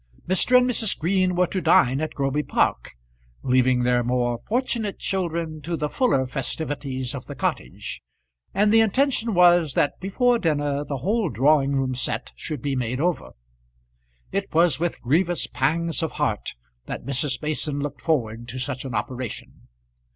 Mr. and Mrs. Green were to dine at Groby Park, leaving their more fortunate children to the fuller festivities of the cottage; and the intention was that before dinner the whole drawing room set should be made over. It was with grievous pangs of heart that Mrs. Mason looked forward to such an operation.